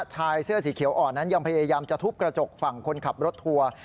ชายเสื้อสีเขียวอ่อนนั้นยังพยายามจะทุบกระจกฝั่งคนขับรถทัวร์